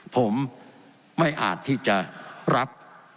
ผมไม่อาจที่จะรับ